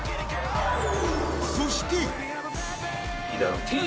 そして。